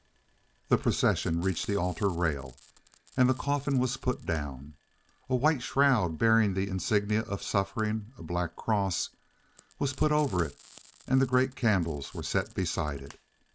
The procession reached the altar rail, and the coffin was put down. A white shroud bearing the insignia of suffering, a black cross, was put over it, and the great candles were set beside it.